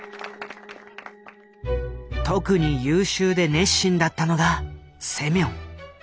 特に優秀で熱心だったのがセミョン。